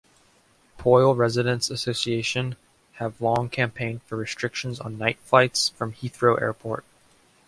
Poyle Residents Association have long campaigned for restrictions on night flights from Heathrow airport.